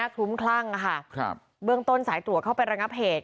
ทุ่มคลั่งค่ะครับเบื้องต้นสายตั๋วเข้าไประงับเหตุ